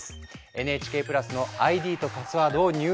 ＮＨＫプラスのＩＤとパスワードを入力